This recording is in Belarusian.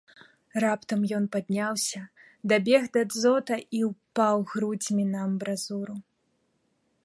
Раптам ён падняўся, дабег да дзота і ўпаў грудзьмі на амбразуру.